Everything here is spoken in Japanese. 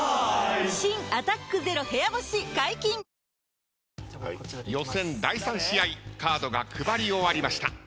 新「アタックＺＥＲＯ部屋干し」解禁‼予選第３試合カードが配り終わりました。